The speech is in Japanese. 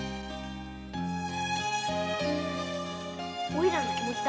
おいらの気持ちだ。